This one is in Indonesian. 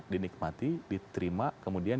dinikmati diterima kemudian